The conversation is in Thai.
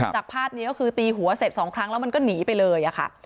จากภาพนี้ก็คือตีหัวเสร็จสองครั้งแล้วมันก็หนีไปเลยค่ะ